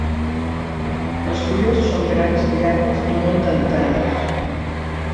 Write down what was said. Les fulles són grans, llargues i molt dentades.